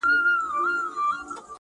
چاته ولیکم بیتونه پر چا وکړمه عرضونه؛